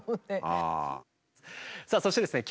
さあそしてですね